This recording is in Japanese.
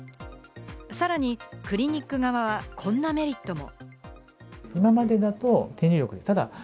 さらにクリニック側はこんなメリットも。